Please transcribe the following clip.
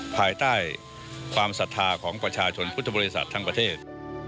ภายใต้ความศรัทธาของประชาชนพุทธบริษัททั้งประเทศ